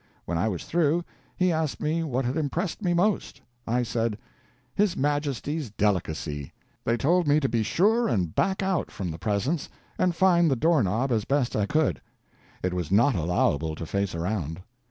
When I was through, he asked me what had impressed me most. I said: "His Majesty's delicacy. They told me to be sure and back out from the presence, and find the door knob as best I could; it was not allowable to face around.